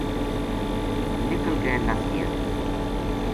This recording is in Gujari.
نکل کے نَس گیا